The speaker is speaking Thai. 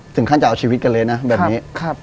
ถึงขั้นจะเอาชีวิตกันเลยนะแบบนี้